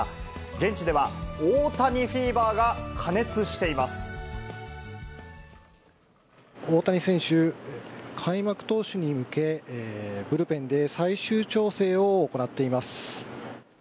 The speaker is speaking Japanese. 現地では、大谷選手、開幕投手に向け、ブルペンで最終調整を行っています。